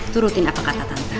turutin apa kata tante